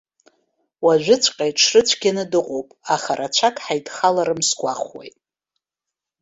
Уажәыҵәҟьа иҽрыцәгьаны дыҟоуп, аха рацәак ҳаидхаларым сгәахәуеит.